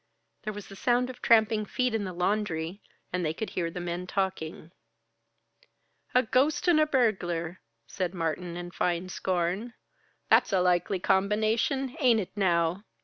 There was the sound of tramping feet in the laundry and they could hear the men talking. "A ghost and a burglar!" said Martin, in fine scorn. "That's a likely combination, ain't it now?"